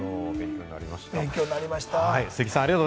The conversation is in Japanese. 勉強になりました。